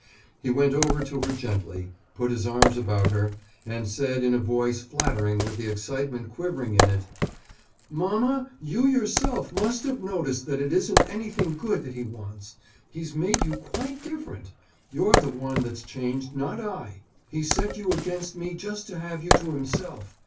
He went over to her gently, put his arms about her, and said in a voice flattering with the excitement quivering in it: "Mamma, you yourself must have noticed that it isn't anything good that he wants. He's made you quite different. You're the one that's changed, not I. He set you against me just to have you to himself.